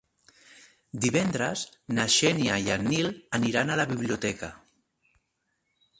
Divendres na Xènia i en Nil aniran a la biblioteca.